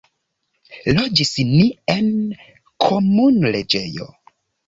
Loĝis ni en komunloĝejo.